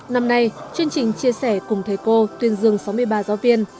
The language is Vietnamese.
năm nay chương trình chia sẻ cùng thầy cô tuyên dương sáu mươi ba giáo viên